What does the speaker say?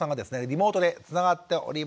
リモートでつながっております。